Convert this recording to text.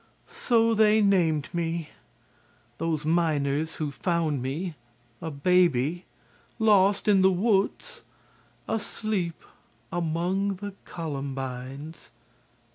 SO THEY NAMED ME THOSE MINERS WHO FOUND ME A BABY LOST IN THE WOODS ASLEEP AMONG THE COLUMBINES."